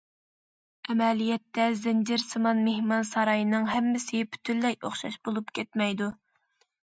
ئەمەلىيەتتە زەنجىرسىمان مېھمانساراينىڭ ھەممىسى پۈتۈنلەي ئوخشاش بولۇپ كەتمەيدۇ.